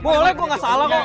boleh gue gak salah kok